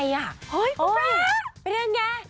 เฮ้ยกูรักไปได้ยังไง